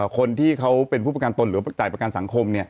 คนที่เขาเป็นผู้ประกันตนหรือว่าจ่ายประกันสังคม